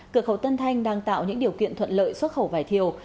cửa khẩu tân thanh đang tạo những điều kiện thuận lợi xuất khẩu vải thiều